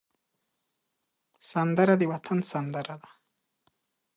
سندره د وطن سندره ده